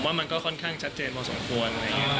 ผมว่ามันก็ค่อนข้างชัดเจนมาสงควร